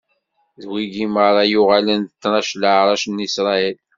D wigi meṛṛa i yuɣalen d tnac n leɛṛac n Isṛayil.